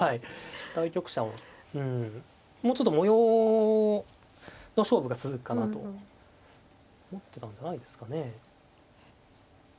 対局者もうんもうちょっと模様の勝負が続くかなと思ってたんじゃないですかね。